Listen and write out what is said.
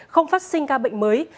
không phát sinh ca bệnh mới